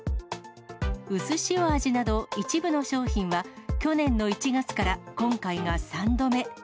うすしお味など一部の商品は、去年の１月から今回が３度目。